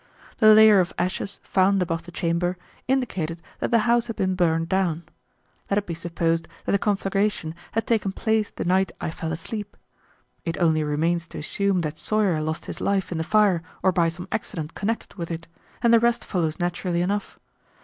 The layer of ashes found above the chamber indicated that the house had been burned down. Let it be supposed that the conflagration had taken place the night I fell asleep. It only remains to assume that Sawyer lost his life in the fire or by some accident connected with it, and the rest follows naturally enough.